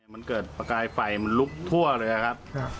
มันเกิดประกายไฟมันลุกทั่วเลยครับ